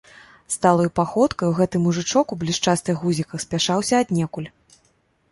Сталаю паходкаю гэты мужычок у блішчастых гузіках спяшаўся аднекуль.